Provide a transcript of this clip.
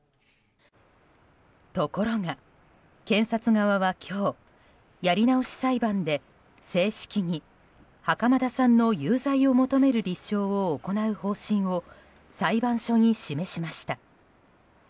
ところが検察側は今日やり直し裁判で正式に袴田さんの有罪を求める立証を行う方針を裁判所に示しました。